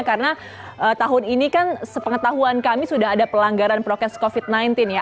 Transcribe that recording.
karena tahun ini kan sepengetahuan kami sudah ada pelanggaran prokes covid sembilan belas ya